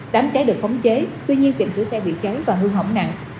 đám cháy được khống cháy tuy nhiên tiệm sửa xe bị cháy và hư hỏng nặng